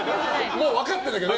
もう分かってるけどね。